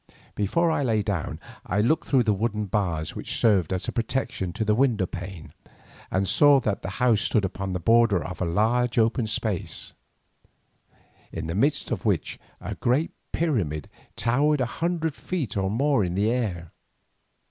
Before I lay down I looked through the wooden bars which served as a protection to the window place, and saw that the house stood upon the border of a large open space, in the midst of which a great pyramid towered a hundred feet or more into the air.